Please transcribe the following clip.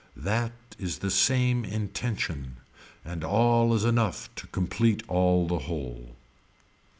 That is some intention and all is enough to complete all the whole.